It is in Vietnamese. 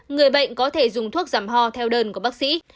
người bệnh có thể dùng thuốc giảm ho theo đơn của bác sĩ